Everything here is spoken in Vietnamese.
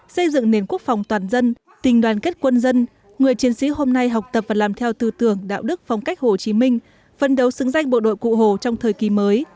xây dựng nền quốc phòng toàn dân tình đoàn kết quân dân người chiến sĩ hôm nay học tập và làm theo tư tưởng đạo đức phong cách hồ chí minh phân đấu xứng danh bộ đội cụ hồ trong thời kỳ mới